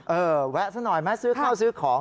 แวะซะหน่อยไหมซื้อข้าวซื้อของ